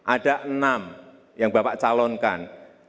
ada enam yang bapak calonkan